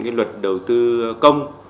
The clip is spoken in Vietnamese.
cái luật đầu tư công